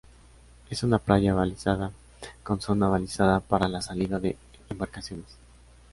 Es una playa balizada, con zona balizada para la salida de embarcaciones.